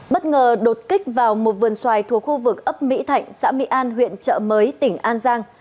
bất ngờ đột kích vào một vườn xoài thuộc khu vực ấp mỹ thạnh xã mỹ an huyện trợ mới tỉnh an giang